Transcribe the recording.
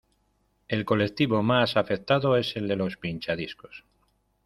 El colectivo más afectado es el de los pinchadiscos.